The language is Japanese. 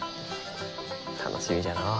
楽しみじゃのう。